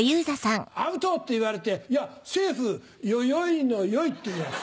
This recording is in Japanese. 「アウト！」って言われて「いやセーフ！よよいのよい」って言うヤツ。